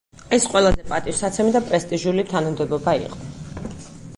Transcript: ეს ყველაზე პატივსაცემი და პრესტიჟული თანამდებობა იყო.